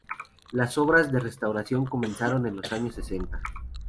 Las obras de restauración comenzaron en los años sesenta.